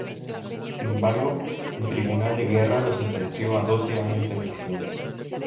Sin embargo, el tribunal de guerra lo sentenció a doce años de prisión.